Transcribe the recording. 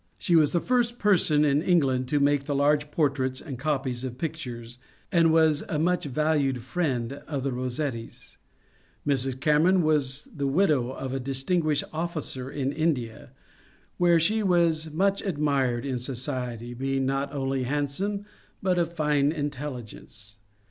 She was the first person in England to make the large portraits and copies of pictures, and was a much valued friend of the Rossettis. Mrs. Cameron was the widow of a distinguished o£Gicer in India, where she was much admired in society, being not only handsome but of fine intelligence.